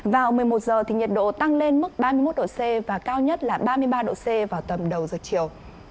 vào một mươi một giờ thì nhiệt độ tăng lên mức ba mươi một độ c và cao nhất là ba mươi ba độ c vào tầm đầu giờ chiều